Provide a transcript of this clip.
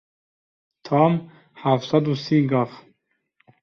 Tam heft sed û sî gav.